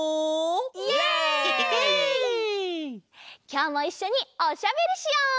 きょうもいっしょにおしゃべりしよう！